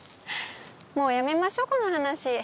もうやめましょうこの話。